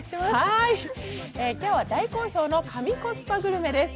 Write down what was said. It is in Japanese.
今日は大好評の神コスパグルメです。